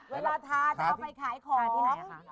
เวลาทาจะเอาไปขายของ